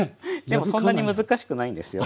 でもそんなに難しくないんですよ。